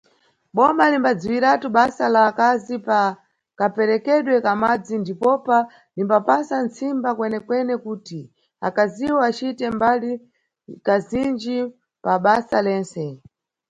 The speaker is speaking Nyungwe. Boma limbadziwiratu basa lá akazi pa kaperekedwe ka madzi ndipopa limbapasa ntsimba kwenekwene kuti akaziwo acite mbali kazinji pabasa lentse.